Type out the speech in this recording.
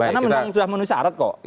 karena sudah menunisarat kok